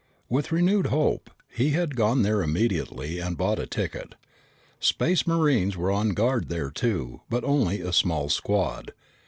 With renewed hope, he had gone there immediately and bought a ticket. Space Marines were on guard here too, but only a small squad.